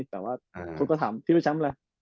แต่ว่าคนก็ถามพี่ว่าแชมป์อะไร